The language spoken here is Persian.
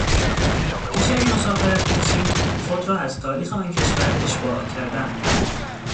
پیش از مسافرت به چین خود را از تاریخ آن کشور اشباع کردن